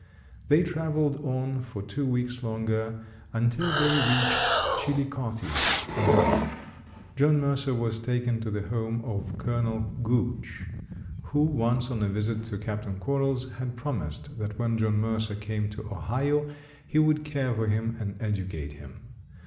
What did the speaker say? They traveled on for two weeks longer, until they reached Chillicothe, Ohio. John Mercer was taken to the home of Colonel Gooch, who once on a visit to Captain Quarrels, had promised that when John Mercer came to Ohio he would care for him and educate him.